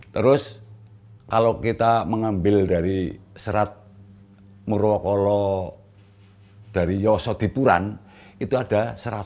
terus kalau kita mengambil dari serat murwakolo dari yosodipuran itu ada satu ratus tiga puluh enam